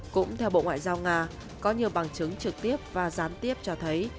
cũng theo bộ ngoại giao nga có nhiều bằng chứng trực tiếp và gián tiếp cho thấy